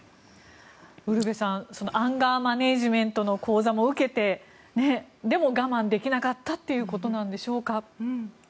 ウルヴェさんアンガーマネジメントの講座も受けてでも、我慢できなかったということなんでしょうか。